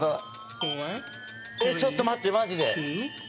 ちょっと待ってマジで。